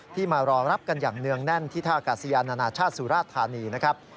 มารอรับกันอย่างเนื่องแน่นที่ท่ากาศยานานาชาติสุราธานีนะครับ